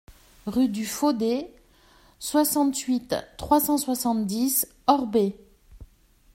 Rue du Faudé, soixante-huit, trois cent soixante-dix Orbey